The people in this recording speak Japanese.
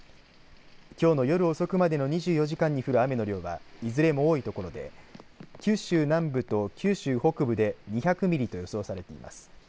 きょうの夜遅くまでの２４時間に降る雨の量はいずれも多いところで九州南部と九州北部で２００ミリと予想されています。